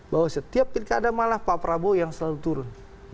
bahwa setiap perikadaman pak prabowo yang selalu turun